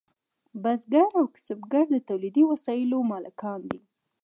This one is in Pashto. بزګر او کسبګر د تولیدي وسایلو مالکان دي.